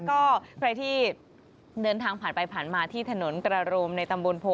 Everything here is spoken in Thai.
ก็ใครที่เดินทางผ่านไปผ่านมาที่ถนนกระโรมในตำบลโพ